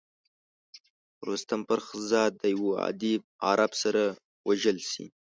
رستم فرخ زاد د یوه عادي عرب سره وژل شي.